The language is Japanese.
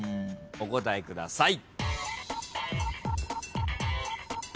お答えください。